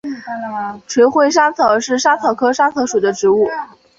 垂穗莎草是莎草科莎草属的植物。